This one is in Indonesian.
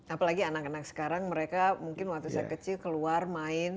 apalagi anak anak sekarang mereka mungkin waktu saya kecil keluar main